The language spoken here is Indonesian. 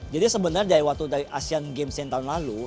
jadi sebenarnya dari waktu dari asian games tahun lalu